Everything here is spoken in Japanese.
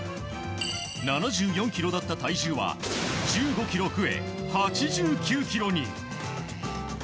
７４ｋｇだった体重は１５ｋｇ増え、８９ｋｇに。